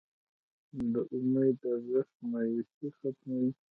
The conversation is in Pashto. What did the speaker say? د امید ارزښت مایوسي ختموي.